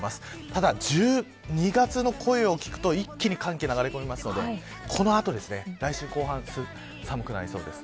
ただ１２月の声を聞くと一気に寒気が流れ込みますなので、この後来週後半から寒くなりそうです。